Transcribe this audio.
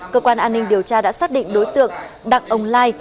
cơ quan an ninh điều tra đã xác định đối tượng đặng ông lai